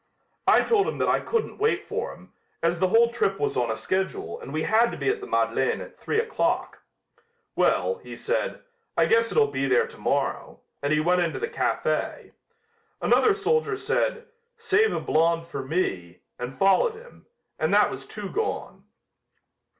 I told him that I couldn't wait for him, as the whole trip was on a schedule and we had to be at the Madeleine at three o'clock. 'Well,' he said, 'I guess it'll be there tomorrow,' and he went into the café. Another soldier said: 'Save a "blonde" for me,' and followed him, and that was two gone.